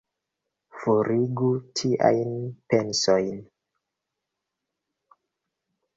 Forigu tiajn pensojn!